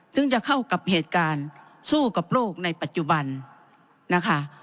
ซึ่งจะเข้ากับเหตุการณ์สู้กับโรคในปัจจุบันนะคะ